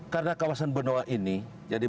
karena kawasan benoa ini jadi